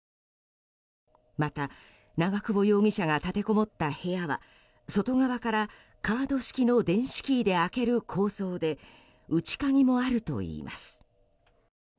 また長久保容疑者が立てこもった部屋は外側からカード式の電子キーで開ける構造で内鍵もあるといいます。